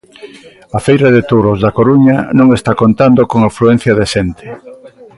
A feira de touros da Coruña non está contando con afluencia de xente.